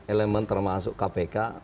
elemen termasuk kpk